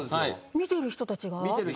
見てる人たちが。